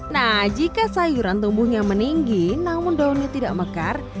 nah jika sayuran tumbuhnya meninggi namun daunnya tidak mekar